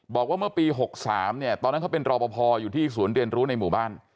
บอกว่าเมื่อปี๖๓เนี่ยตอนนั้นเขาเป็นรอปภอยู่ที่ศูนย์เรียนรู้ในหมู่บ้าน